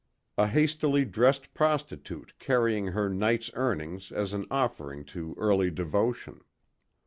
A hastily dressed prostitute carrying her night's earnings as an offering to early devotion.